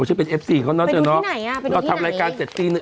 ฉันเป็นเอฟซีเขาน่าจะเนาะไปดูที่ไหนอ่ะไปดูที่ไหนเนี่ยเราทำรายการเจ็ดตีหนึ่ง